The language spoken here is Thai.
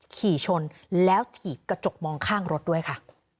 ขี่ชนแล้วถีบกระจกมองข้างรถด้วยค่ะ